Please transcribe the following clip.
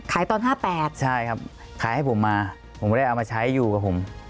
ตอน๕๘ใช่ครับขายให้ผมมาผมไม่ได้เอามาใช้อยู่กับผม